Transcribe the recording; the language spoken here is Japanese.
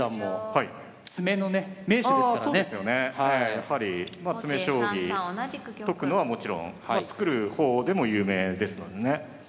やはり詰将棋解くのはもちろん作る方でも有名ですのでね。